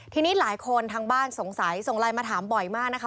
ทีนี้หลายคนทางบ้านสงสัยส่งไลน์มาถามบ่อยมากนะคะ